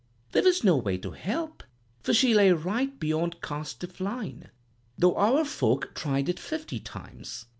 There was no way to help, for she lay right beyond cast of line, though our folk tried it fifty times.